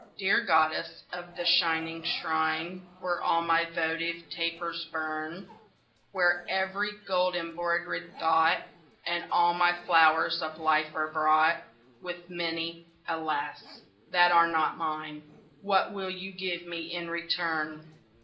DEAR goddess of the shining shrine Where all my votive tapers burn, Where every gold embroidered thought And all my flowers of life are brought With many, alas! that are not mine What will you give me in return?